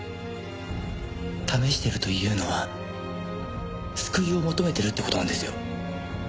試してるというのは救いを求めてるって事なんですよ。